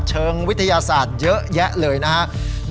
เชิงวิทยาศาสตร์เยอะแยะเลยนะครับ